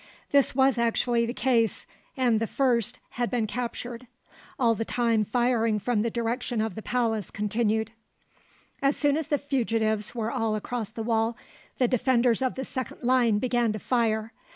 This was actually the case, and the first had been captured. All the time firing from the direction of the palace continued. As soon as the fugitives were all across the wall, the defenders of the second line began to fire.